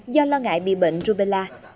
do lo ngại bị bệnh rubella